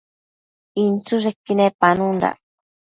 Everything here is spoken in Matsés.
inchËshequi nepanundac